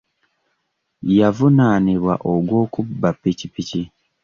Yavunaanibwa ogw'okubba ppikippiki.